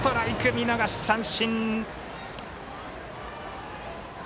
見逃し三振！